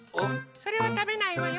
それはたべないわよ。